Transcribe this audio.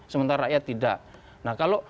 sementara rakyat tidak nah kalau